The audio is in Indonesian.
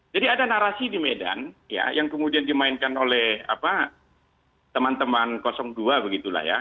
jadi ada narasi di medan ya yang kemudian dimainkan oleh teman teman dua begitulah ya